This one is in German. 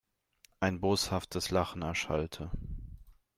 Ein boshaftes Lachen erschallte.